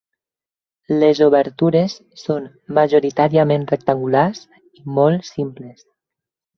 Les obertures són majoritàriament rectangulars i molt simples.